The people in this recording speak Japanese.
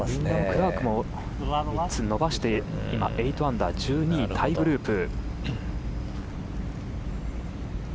クラークも３つ伸ばして８アンダー１２位タイグループ。